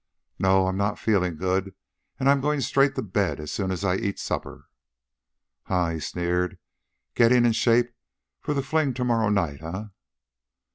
"No, I'm not feeling good, and I'm going straight to bed as soon as I eat supper." "Huh!" he sneered. "Gettin' in shape for the fling to morrow night, eh?"